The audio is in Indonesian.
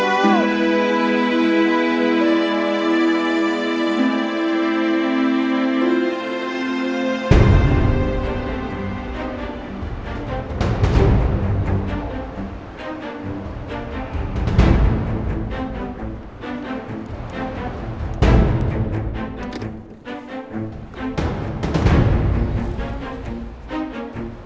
terima kasih reklam